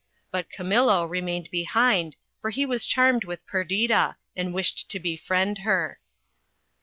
But Camillo re mained behind, for he was charmed with Perdita, and wished to be friend her.